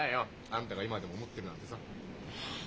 「あんたが今でも思ってる」なんてさ。